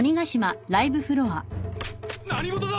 何事だ！？